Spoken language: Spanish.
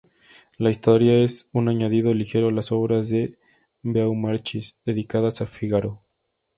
La historia es un añadido ligero a las obras de Beaumarchais dedicadas a Fígaro.